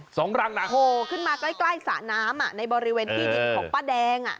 สองรังนะโหขึ้นมาใกล้สาน้ำในบริเวณพี่ดินของป้าแดง